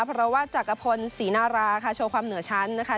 เพราะว่าจักรพลศรีนาราค่ะโชว์ความเหนือชั้นนะคะ